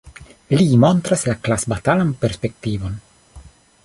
Li montras la klasbatalan perspektivon.